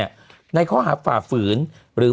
มันติดคุกออกไปออกมาได้สองเดือน